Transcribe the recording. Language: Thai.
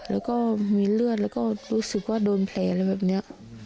แล้วก็มีเลือดแล้วก็รู้สึกว่าโดนแผลอะไรแบบนี้